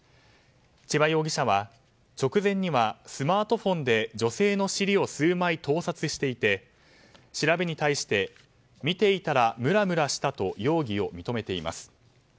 千葉容疑者は直前にはスマートフォンで女性の尻を数枚盗撮していて調べに対して見ていたらムラムラしたと容疑を認めています。